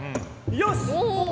よし！